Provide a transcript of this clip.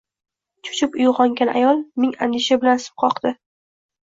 Cho‘chib uyg‘ongan ayol ming andisha bilan sim qoqdi